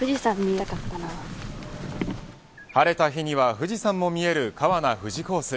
晴れた日には富士山も見える川奈・富士コース。